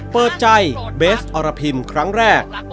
เปิดใจเบสอรพิมครั้งแรก